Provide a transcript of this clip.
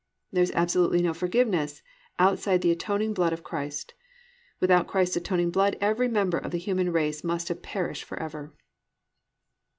There is absolutely no forgiveness outside the atoning blood of Christ. Without Christ's atoning blood every member of the human race must have perished forever.